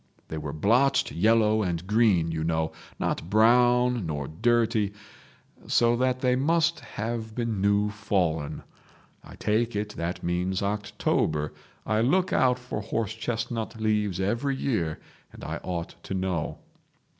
They were blotched yellow and green, you know, not brown nor dirty, so that they must have been new fallen. I take it that means October. I look out for horse chestnut leaves every year, and I ought to know.